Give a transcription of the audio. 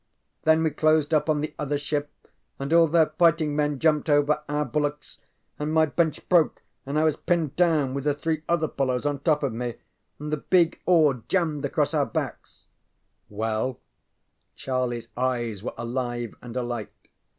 Then we closed up on the other ship, and all their fighting men jumped over our bulwarks, and my bench broke and I was pinned down with the three other fellows on top of me, and the big oar jammed across our backs. ŌĆØ ŌĆ£Well? ŌĆØ CharlieŌĆÖs eyes were alive and alight.